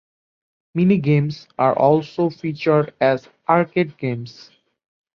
Minigames are also featured as arcade games.